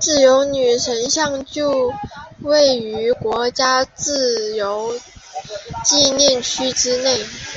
自由女神像就位于国家自由纪念区之内。